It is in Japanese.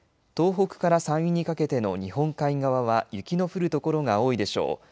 東北から山陰にかけての日本海側は雪の降る所が多いでしょう。